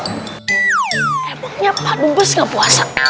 emangnya pak dumbes gak puasa